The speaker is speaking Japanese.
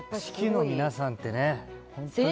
四季の皆さんってね